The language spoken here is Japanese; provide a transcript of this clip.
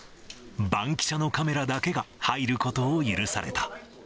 バンキシャのカメラだけが入ることを許された。